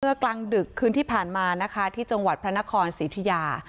กลางดึกคืนที่ผ่านมานะคะที่จังหวัดพระนครศรีธุยา